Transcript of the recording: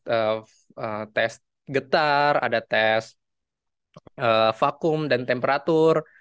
ada tes getar ada tes vakum dan temperatur